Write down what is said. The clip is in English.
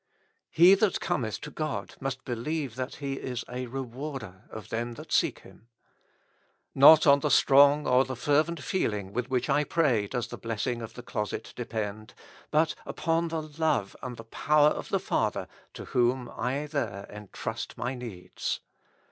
"He that Cometh to God must believe that He is a rewarder of them that seek Him." Not on the strong or the fervent feehng with which I pray does the bless ing of the closet depend, but upon the love and the power of the Father to whom I there entrust my needs.